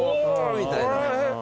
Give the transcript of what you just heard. みたいな。